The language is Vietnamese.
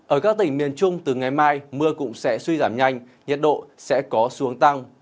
ở các tỉnh miền trung từ ngày mai mưa cũng sẽ suy giảm nhanh nhiệt độ sẽ có xuống tăng